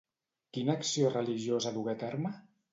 Quina acció religiosa dugué a terme?